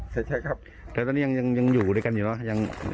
ใช่ครับแต่ตอนนี้ยังอยู่ด้วยกันอยู่เนอะ